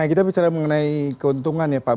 kita bicara mengenai keuntungan ya pak